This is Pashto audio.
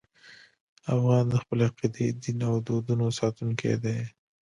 افغان د خپلې عقیدې، دین او دودونو ساتونکی دی.